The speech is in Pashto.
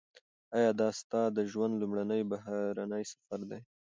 ایا دا ستا د ژوند لومړنی بهرنی سفر دی؟